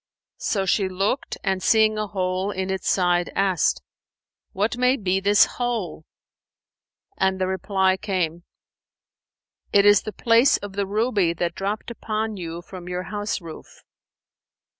So she looked and seeing a hole in its side asked, "What may be this hole?"; and the reply came, "It is the place of the ruby that dropped upon you from your house roof."